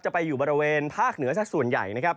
ไปอยู่บริเวณภาคเหนือสักส่วนใหญ่นะครับ